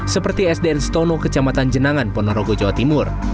seperti sdn stono kecamatan jenangan ponorogo jawa timur